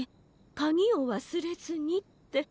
かぎをわすれずに」って。